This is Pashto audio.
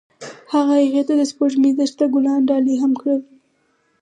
هغه هغې ته د سپوږمیز دښته ګلان ډالۍ هم کړل.